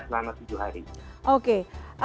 selama tujuh hari